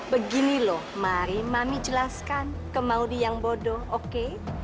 begini loh mari mami jelaskan ke maudi yang bodoh oke